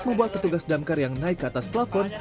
membuat petugas damkar yang naik ke atas plafon